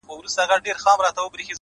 زلفي راټال سي گراني ،